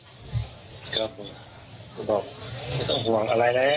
ถึงเวลาของหนูแล้วคิดอย่างเงี้ยบอกอย่างเงี้ย